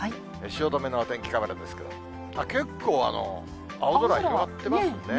汐留のお天気カメラですけど、結構、青空広がってますね。